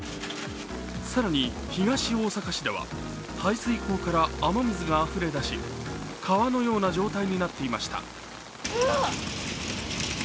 更に、東大阪市では排水溝から雨水があふれ出し、川のような状態になっていました。